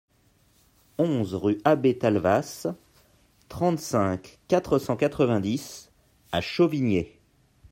onze rue Abbé Talvas, trente-cinq, quatre cent quatre-vingt-dix à Chauvigné